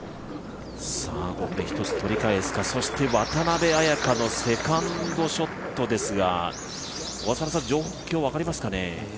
ここで一つ取り返すか、そして渡邉彩香のセカンドショットですが状況、分かりますかね？